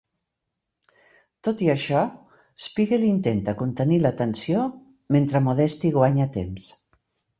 Tot i això, Spiegel intenta contenir la tensió mentre Modesty guanya temps.